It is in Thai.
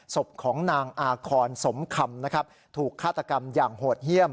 ศพของนางอาคอนสมคำนะครับถูกฆาตกรรมอย่างโหดเยี่ยม